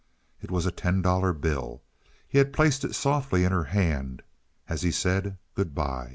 It was a ten dollar bill. He had placed it softly in her hand as he said good by.